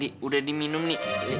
di udah diminum nih